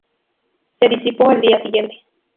Se disipó al día siguiente.